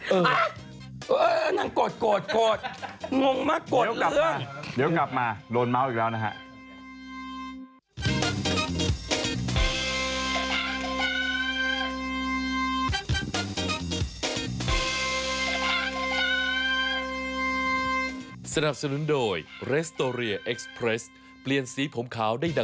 เออนั่งกดงงมากกดเรื่อยเดี๋ยวกลับมาโดนเมาส์อีกแล้วนะฮะ